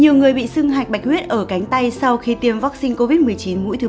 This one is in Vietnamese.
nhiều người bị sưng hạch bạch huyết ở cánh tay sau khi tiêm vaccine covid một mươi chín mũi thứ ba